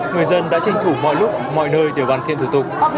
người dân đã tranh thủ mọi lúc mọi nơi để bàn thiện thủ tục